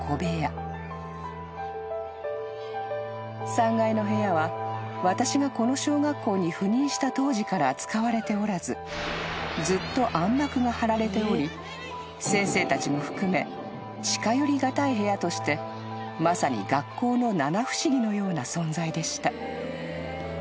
「３階の部屋は私がこの小学校に赴任した当時から使われておらずずっと暗幕が張られており先生たちも含め近寄りがたい部屋としてまさに学校の七不思議のような存在でした」